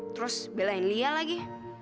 terus belain lia lagi